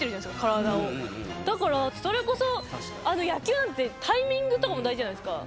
体をだからそれこそ野球なんてタイミングとかも大事じゃないですか